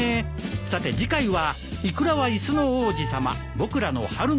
さて次回は。